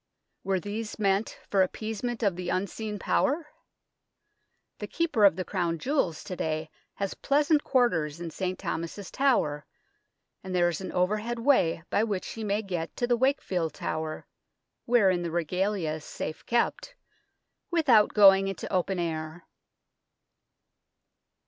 Were these meant for appeasement of the unseen power ? The Keeper of the Crown Jewels to day has pleasant quarters in St. Thomas's Tower, and there is an overhead way by which he may get to the Wakefield Tower, wherein the Regalia is safe kept, without going into open air.